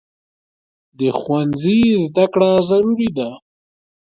د ښوونځي زده کړه ضروري ده.